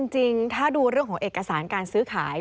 จริงถ้าดูเรื่องของเอกสารการซื้อขาย